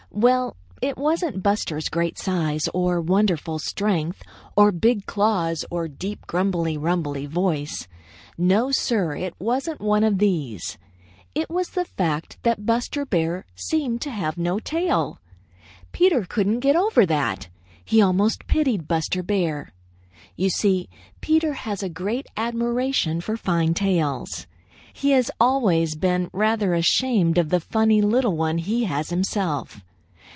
Well, it wasn't Buster's great size, or wonderful strength, or big claws, or deep, grumbly rumbly voice. No, Sir, it wasn't one of these. It was the fact that Buster Bear seemed to have no tail! Peter couldn't get over that. He almost pitied Buster Bear. You see, Peter has a great admiration for fine tails. He has always been rather ashamed of the funny little one he has himself.